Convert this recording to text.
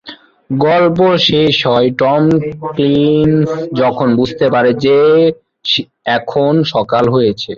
গল্প শেষ হয় টমকিন্স যখন বুঝতে পারে যে এখন কত সকাল হয়েছে।